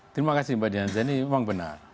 terima kasih mbak dianjani memang benar